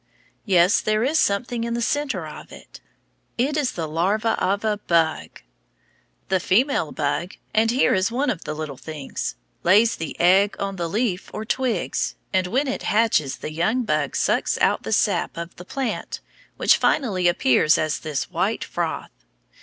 Yes, there is something in the centre of it. It is the larva of a bug! The female bug, and here is one of the little things, lays the egg on the leaf or twigs, and when it hatches the young bug sucks out the sap of the plant which finally appears as this white froth.